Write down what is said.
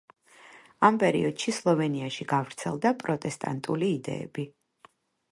ამ პერიოდში სლოვენიაში გავრცელდა პროტესტანტული იდეები.